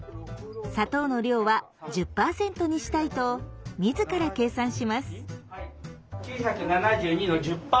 砂糖の量は１０パーセントにしたいと自ら計算します。